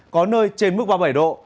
có nơi trên mức ba mươi bảy độ